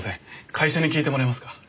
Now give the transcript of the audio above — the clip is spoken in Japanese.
会社に聞いてもらえますか？